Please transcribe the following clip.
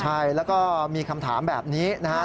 ใช่แล้วก็มีคำถามแบบนี้นะครับ